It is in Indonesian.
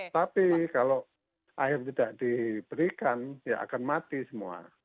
tapi kalau air tidak diberikan ya akan mati semua